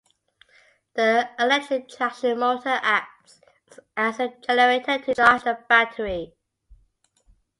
The electric traction motor acts as a generator to charge the battery.